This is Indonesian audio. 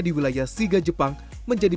di wilayah siga jepang menjadi